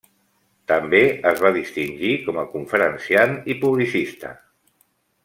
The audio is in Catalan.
També es va distingir com a conferenciant i publicista.